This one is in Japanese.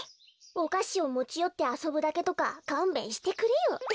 おかしをもちよってあそぶだけとかかんべんしてくれよ。